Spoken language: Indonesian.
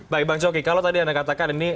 baik bang coki kalau tadi anda katakan ini